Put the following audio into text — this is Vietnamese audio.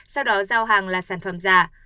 sau đó giao hàng là sản phẩm giả